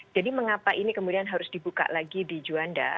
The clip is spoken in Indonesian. jadi mengapa ini kemudian harus dibuka lagi di juanda